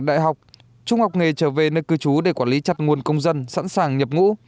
đại học trung học nghề trở về nơi cư trú để quản lý chặt nguồn công dân sẵn sàng nhập ngũ